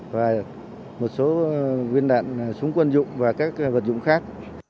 và một số viên đạn súng quân dụng và các vật dụng khác